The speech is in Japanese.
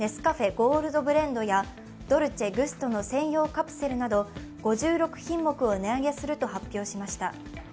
ゴールドブレンドやドルチェグストの専用カプセルなど５６品目を値上げすると発表しました。